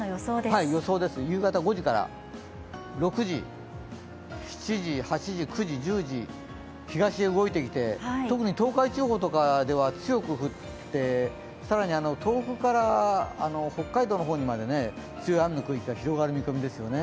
夕方５時から、６時、７時、８時東へ動いてきて、特に東海地方とかでは強く降って、更に東北から北海道の方にまで強い雨の区域が広がる見込みですよね。